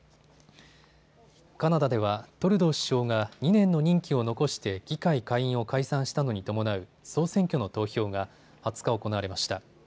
カナダではトルドー首相が２年の任期を残して議会下院を解散したのに伴う総選挙の投票が２０日行われました。